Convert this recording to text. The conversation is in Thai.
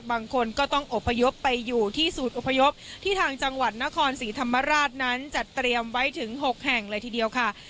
บางคนก็ต้องอบพยพไปอยู่ที่ศูนย์อพยพที่ทางจังหวัดนครศรีธรรมราชนั้นจัดเตรียมไว้ถึง๖แห่งเลยทีเดียวค่ะ